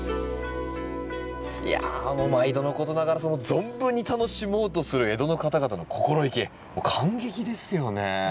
いやもう毎度のことながらその存分に楽しもうとする江戸の方々の心意気感激ですよね。